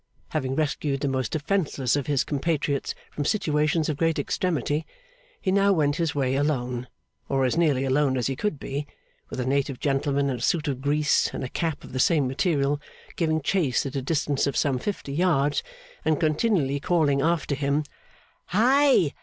Having rescued the most defenceless of his compatriots from situations of great extremity, he now went his way alone, or as nearly alone as he could be, with a native gentleman in a suit of grease and a cap of the same material, giving chase at a distance of some fifty yards, and continually calling after him, 'Hi!